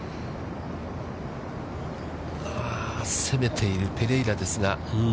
攻めているペレイラですが。